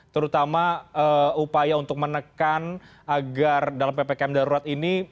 terutama upaya untuk menekan agar dalam ppkm darurat ini